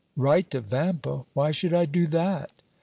"Write to Vampa? Why should I do that?"